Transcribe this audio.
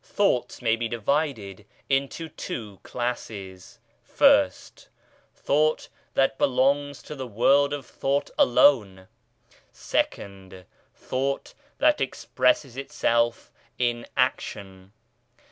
14 POWER OF TRUE THOUGHT Thoughts may be divided into two classes : (ist) Thought that belongs to the world of thought alone. (2nd) Thought that expresses itself in action.